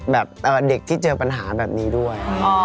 แบบเด็กที่เจอปัญหาแบบนี้ด้วย